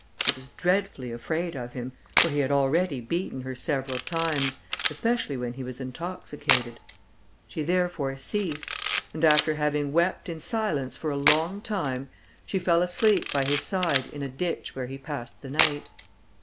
She was dreadfully afraid of him, for he had already beaten her several times, especially when he was intoxicated; she therefore ceased, and after having wept in silence for a long time, she fell asleep by his side in a ditch where he passed the night.